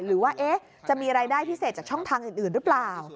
หรือว่าจะมีรายได้พิเศษจากช่องทางอื่นหรือเปล่า